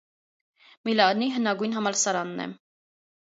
Միլանի հնագույն համալսարանն է։